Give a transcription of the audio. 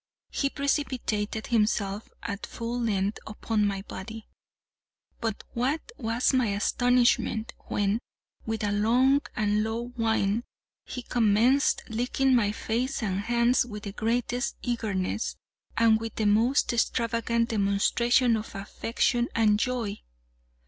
He precipitated himself at full length upon my body; but what was my astonishment, when, with a long and low whine, he commenced licking my face and hands with the greatest eagerness, and with the most extravagant demonstration of affection and joy!